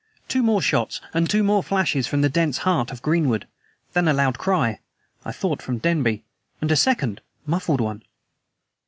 Two more shots and two flashes from the dense heart of greenwood. Then a loud cry I thought, from Denby and a second, muffled one.